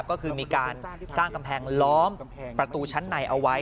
ก็คือมีการสร้างกำแพงล้อมประตูชั้นในเอาไว้